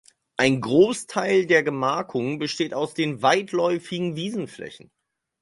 Ein Großteil der Gemarkung besteht aus weitläufigen Wiesenflächen.